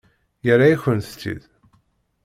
Yerra-yakent-t-id?